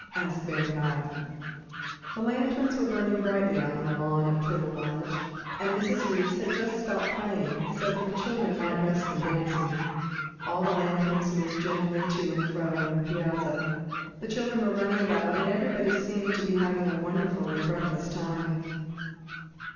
asked Ben Gile. The lanterns were burning brightly out on the lawn of Turtle Lodge, and Mrs. Reece had just stopped playing so that the children might rest from dancing. All the lanterns moved gently to and fro on the piazza; the children were running about, and everybody seemed to be having a beautiful and breathless time.